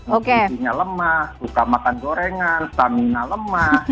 maksudnya lemah susah makan gorengan stamina lemah